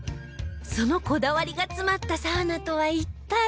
そのこだわりが詰まったサウナとは一体